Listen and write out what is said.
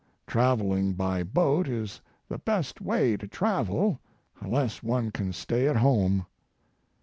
Traveling by boat is the best way to travel unless one can stay at home.